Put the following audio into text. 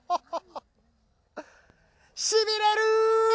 しびれる！